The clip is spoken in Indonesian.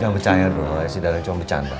jangan bercanda dong si dadang cuma bercanda